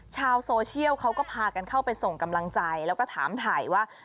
ชาวโซเชียลเขาก็พากันเข้าไปส่งกำลังใจแล้วก็ถามถ่ายว่า